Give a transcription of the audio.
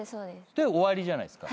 で終わりじゃないですか。